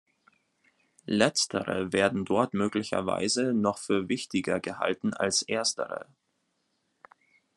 Letztere werden dort möglicherweise noch für wichtiger gehalten als Erstere.